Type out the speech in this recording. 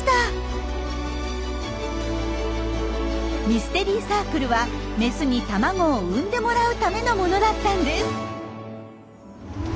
ミステリーサークルはメスに卵を産んでもらうためのものだったんです。